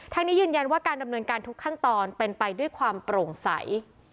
นี้ยืนยันว่าการดำเนินการทุกขั้นตอนเป็นไปด้วยความโปร่งใส